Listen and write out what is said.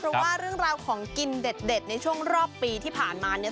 เพราะว่าเรื่องราวของกินเด็ดในช่วงรอบปีที่ผ่านมาเนี่ย